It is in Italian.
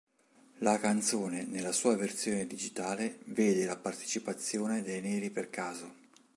La canzone, nella sua versione digitale, vede la partecipazione dei Neri per Caso.